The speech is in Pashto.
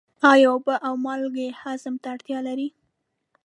آیا اوبه او مالګې هضم ته اړتیا لري؟